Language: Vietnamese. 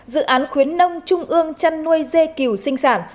dự án khuyến nông trung ương trăn nuôi dê cửu sinh sản